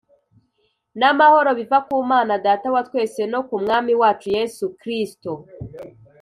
n’amahoro biva ku Mana Data wa twese, no ku Mwami wacu Yesu Kristo.